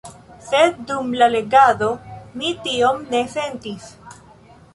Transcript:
Sed dum la legado mi tion ne sentis.